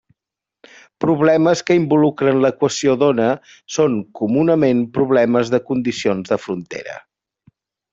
Problemes que involucren l'equació d'ona són comunament problemes de condicions de frontera.